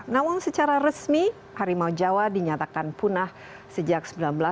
namun secara resmi harimau jawa dinyatakan punah sejak seribu sembilan ratus delapan puluh